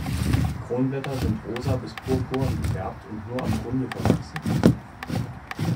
Die Kronblätter sind rosa bis purpurn gefärbt und nur am Grunde verwachsen.